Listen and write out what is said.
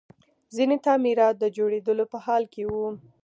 ځینې تعمیرات د جوړېدلو په حال کې وو